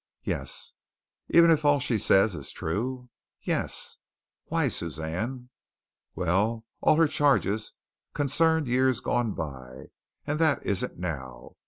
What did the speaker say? "Yes." "Even if all she says is true?" "Yes." "Why, Suzanne?" "Well, all her charges concerned years gone by, and that isn't now.